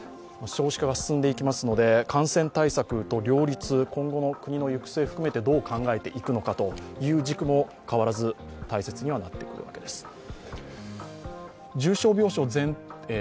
少子化が進んでいきますので、感染対策と両立、今後の国の行く末を含めてどう考えていくかという軸も変わらず大切にはなってくるわけです。